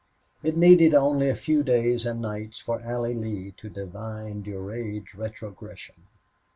It needed only a few days and nights for Allie Lee to divine Durade's retrogression.